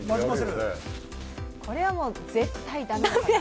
これはもう絶対だめですね。